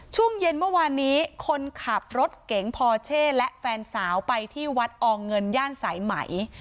ช่วงเย็นเมื่อวานนี้คนขับรถเก๋งพอเช่และแฟนสาวไปที่วัดอองเงินย่านสายไหม